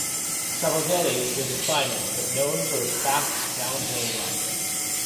Savoldelli was a climber but known for his fast downhill riding.